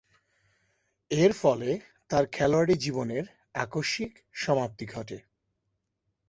এরফলে, তার খেলোয়াড়ী জীবনের আকস্মিক সমাপ্তি ঘটে।